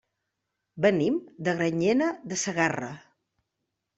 Venim de Granyena de Segarra.